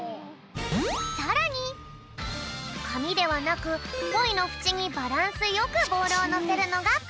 さらにかみではなくポイのふちにバランスよくボールをのせるのがポイントだぴょん！